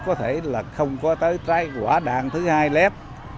có thể là không có tới trái quả đạn thứ hai lép